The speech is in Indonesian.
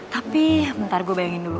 tapi ntar gue bayangin dulu